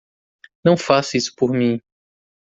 Não faça isso por mim!